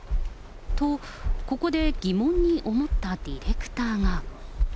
と、ここで疑問に思ったディレクターが。